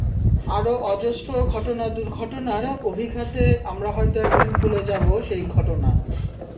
আরও অজস্র ঘটনা-দুর্ঘটনার অভিঘাতে আমরা হয়তো একদিন ভুলে যাব সেই ঘটনা।